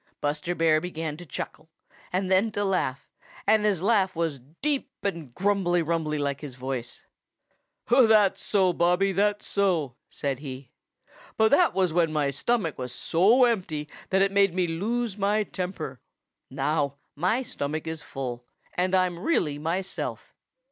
Buster Bear began to chuckle and then to laugh, and his laugh was deep and grumbly rumbly like his voice. "That's so, Bobby! That's so!" said he. "But that was when my stomach was so empty that it made me lose my temper. Now my stomach is full, and I'm really myself.